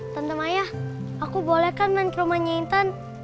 tante maya aku boleh kan main ke rumahnya intan